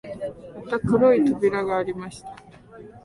また黒い扉がありました